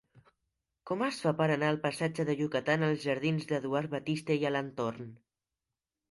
Com es fa per anar del passatge de Yucatán als jardins d'Eduard Batiste i Alentorn?